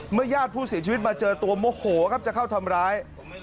ญาติผู้เสียชีวิตมาเจอตัวโมโหครับจะเข้าทำร้าย